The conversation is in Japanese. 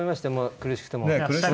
苦しくても。